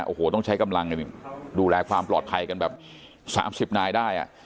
โอ้โหต้องใช้กำลังกันดูแลความปลอดภัยกันแบบ๓๐นายได้